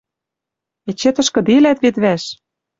Эче тышкыделӓт вет вӓш.